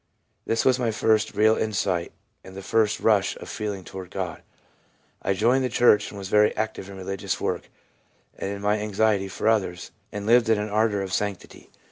This was my first real insight and the first rush of feeling toward God. I joined the church, and was very active in religious work and in my anxiety for others, and lived in an odour of sanctity.